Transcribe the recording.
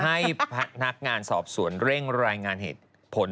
ให้พนักงานสอบสวนเร่งรายงานเหตุผล